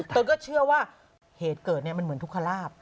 เธอก็เชื่อว่าเหตุเกิดเนี่ยมันเหมือนทุกขลาบ